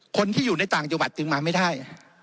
คนที่อยู่ในต่างจังหวัดจึงมาไม่ได้